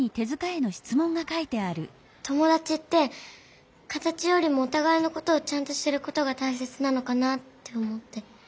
ともだちって形よりもおたがいのことをちゃんと知ることがたいせつなのかなって思って。